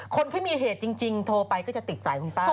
คนที่มีเหตุจริงโทรไปก็จะติดสายคุณป้า